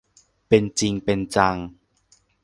เป็นจริงเป็นจัง